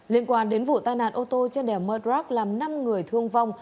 liên quan đến vụ tai nạn ô tô trên đèo murdrock làm năm người thương vong